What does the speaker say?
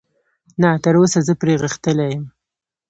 نه، تراوسه زه پرې غښتلی یم.